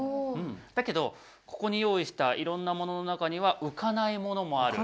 だけどここに用意したいろんなものの中にはうかないものもある。